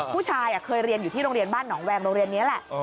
เคยเรียนอยู่ที่โรงเรียนบ้านหนองแวงโรงเรียนนี้แหละ